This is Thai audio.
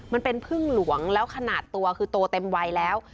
มันเป็นพึ่งหลวงแล้วขนาดตัวคือโตเต็มวัยแล้ว